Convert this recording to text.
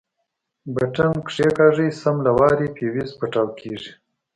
بټن کښېکاږي سم له وارې فيوز پټاو کېږي.